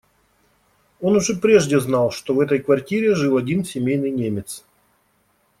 Он уже прежде знал, что в этой квартире жил один семейный немец.